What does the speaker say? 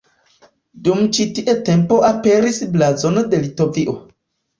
Dum ĉi tia tempo aperis Blazono de Litovio.